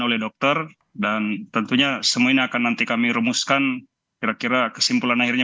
oleh dokter dan tentunya semua ini akan nanti kami rumuskan kira kira kesimpulan akhirnya